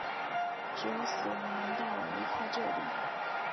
只有死亡能带我离开这里！